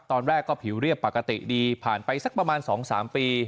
ตอนแรกก็ผิวเรียบปกติดีผ่านไปสักประมาณ๒๓ปี